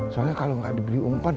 soalnya kalau nggak dibeli umpan